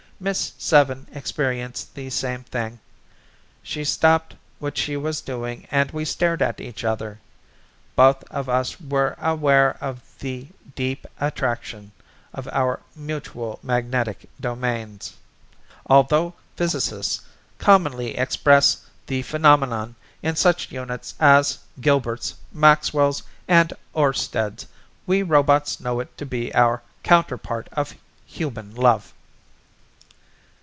Miss Seven experienced the same thing. She stopped what she was doing and we stared at each other. Both of us were aware of the deep attraction of our mutual magnetic domains. Although physicists commonly express the phenomenon in such units as Gilberts, Maxwells and Oersteds, we robots know it to be our counterpart of human love."